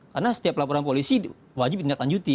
karena setiap laporan polisi wajib tindak lanjuti